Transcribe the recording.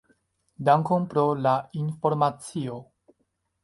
Dankon pro la informacio.